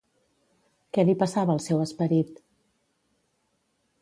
Què li passava al seu esperit?